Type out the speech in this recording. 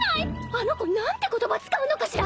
あの子何て言葉使うのかしら